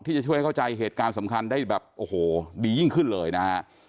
ที่จะช่วยเข้าใจเหตุการณ์สำคัญได้แบบโอ้โหดียิ่งขึ้นเลยนะฮะ